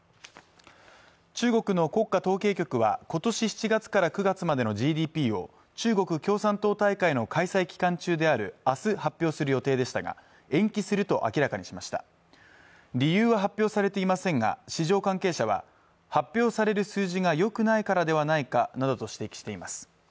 中国の国家統計局はことし７月から９月までのＧＤＰを中国共産党大会の開催期間中である明日発表する予定でしたが延期すると明らかにしました理由は発表されていませんが市場関係者は発表される数字がよくないからではないかなどと指摘しています